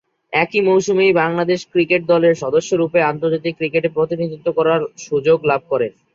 একই মৌসুমেই বাংলাদেশ ক্রিকেট দলের সদস্যরূপে আন্তর্জাতিক ক্রিকেটে প্রতিনিধিত্ব করার সুযোগ লাভ করেন।